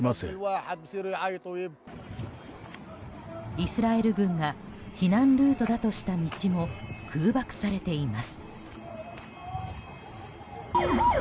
イスラエル軍が避難ルートだとした道も空爆されています。